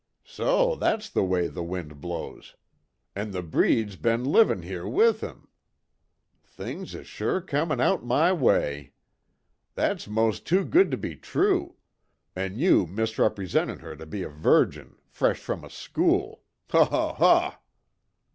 "So that's the way the wind blows! An' the breed's be'n livin' here with him! Things is sure comin' my way! That's most too good to be true an' you misrepresentin' her to be a virgin, fresh from a school ho, ho, ho!"